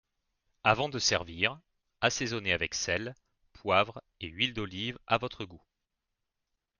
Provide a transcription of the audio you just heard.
Avant de servir, assaisonner avec sel, poivre et huile d’olive à votre goût